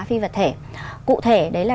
phi vật thể cụ thể đấy là